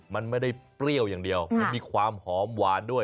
มันไม่ได้เปรี้ยวอย่างเดียวมันมีความหอมหวานด้วย